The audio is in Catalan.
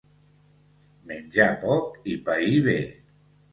Menjar poc i païr bé